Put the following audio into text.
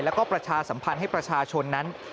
แล้วก็ประชาสัมพันธ์ให้ประชาชนนั้น